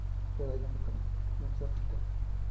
Fue ahí donde comenzó a pintar.